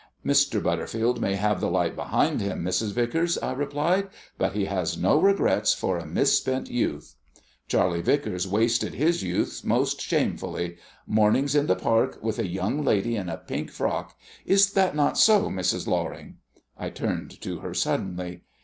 "Mr. Butterfield may have the Light behind him, Mrs. Vicars," I replied, "but he has no regrets for a misspent youth. Charlie Vicars wasted his youth most shamefully. Mornings in the park, with a young lady in a pink frock is that not so, Mrs. Loring?" I turned to her suddenly.